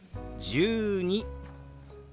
１２。